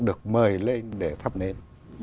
được mời lên để thắp nến